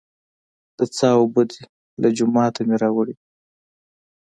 د څاه اوبه دي، له جوماته مې راوړې.